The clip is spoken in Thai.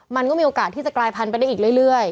มันก็มีโอกาสที่จะกลายพันธุไปได้อีกเรื่อย